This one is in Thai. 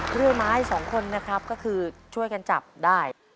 กล้วยไม้สองคนนะครับก็คือช่วยกันจับได้